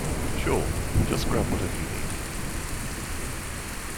Sure, just grab whatever you need.